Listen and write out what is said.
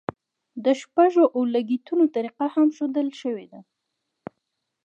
د شپږو اورلګیتونو طریقه هم ښودل شوې ده.